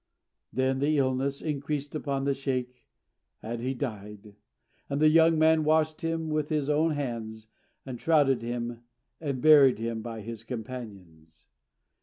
Then the illness increased upon the sheykh, and he died; and the young man washed him with his own hands, and shrouded him, and buried him by his companions.